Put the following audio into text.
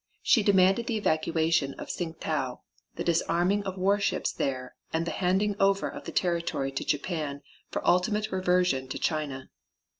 She demanded the evacuation of Tsing tau, the disarming of the warships there and the handing over of the territory to Japan for ultimate reversion to China.